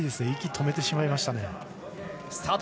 息を止めてしまいました。